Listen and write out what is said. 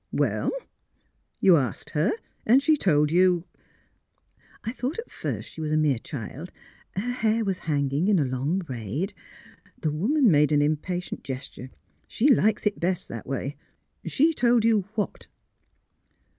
" Well? You asked her, and she told you '*^' I thought at first she was a mere child — ^her hair was hanging in a long braid, and " The woman made an impatient gesture. *' She likes it best that way. She told you — what?